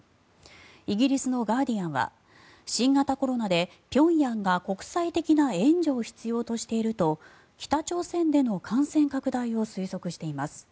イギリスのガーディアンは新型コロナで平壌が国際的な援助を必要としていると北朝鮮での感染拡大を推測しています。